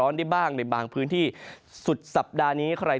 ในภาคฝั่งอันดามันนะครับ